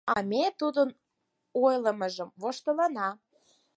А ме тудын ойлымыжым воштылына.